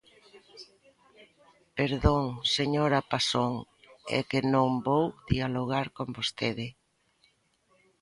Perdón, señora Paxón, é que non vou dialogar con vostede.